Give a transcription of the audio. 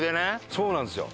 そうなんですよ。